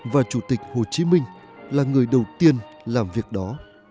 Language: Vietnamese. và chủ tịch hồ chí minh là người đầu tiên làm việc đó